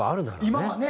今はね